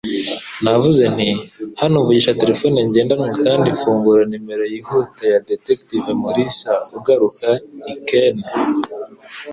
Navuze nti: "Hano," mvugisha telefone ngendanwa kandi mfungura nimero yihuta ya Detective Mulisa ugaruka i Keene.